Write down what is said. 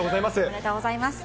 おめでとうございます。